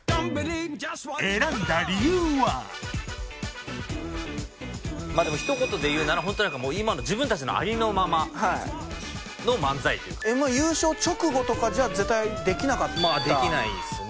選んだ理由はまあでもひと言で言うならホント何かもう今の自分達のありのままの漫才というかＭ−１まあできないっすね